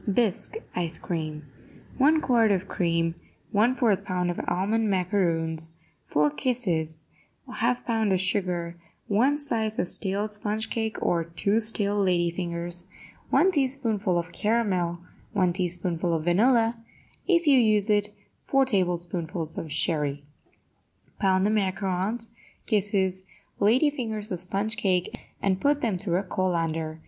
BISQUE ICE CREAM 1 quart of cream 1/4 pound of almond macaroons 4 kisses 1/2 pound of sugar 1 slice of stale sponge cake or 2 stale lady fingers 1 teaspoonful of caramel 1 teaspoonful of vanilla If you use it, 4 tablespoonfuls of sherry Pound the macaroons, kisses, lady fingers or sponge cake, and put them through a colander.